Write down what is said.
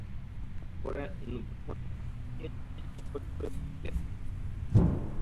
পরে পোনা পরিবহনের কাজে নিয়োজিত শ্রমিকদের তিন হাজার টাকা জরিমানা করা হয়।